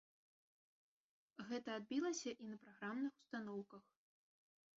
Гэта адбілася і на праграмных устаноўках.